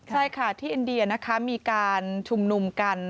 ใช่ค่ะที่อินเดียนะคะมีการชุมนุมกัน